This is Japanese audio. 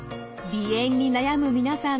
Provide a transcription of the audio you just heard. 鼻炎に悩む皆さん